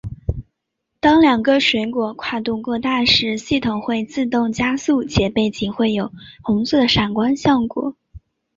当两个水果跨度过大时系统会自动加速且背景会有红色的闪光效果。